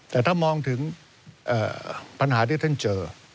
แต่ถ้ามองถึงปัญหาที่ท่านเจอ